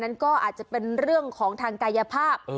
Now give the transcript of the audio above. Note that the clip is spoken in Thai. เอ่อนี่คือก็อาจจะเป็นเรื่องของทางกายภาพ